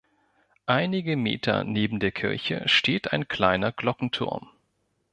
Einige Meter neben der Kirche steht ein kleiner Glockenturm.